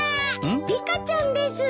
リカちゃんです！